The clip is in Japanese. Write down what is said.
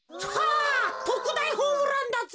あとくだいホームランだぜ。